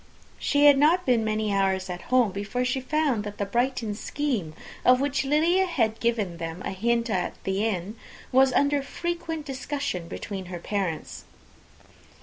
She had not been many hours at home, before she found that the Brighton scheme, of which Lydia had given them a hint at the inn, was under frequent discussion between her parents.